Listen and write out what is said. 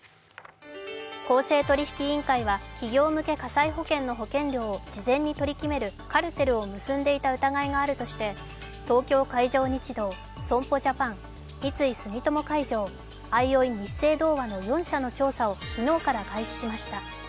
公正取引委員会は企業向け火災保険の保険料を事前に取り決めるカルテルを結んでいた疑いがあるとして東京海上日動、損保ジャパン、三井住友海上、あいおいニッセイ同和の４社の調査を昨日から開始しました。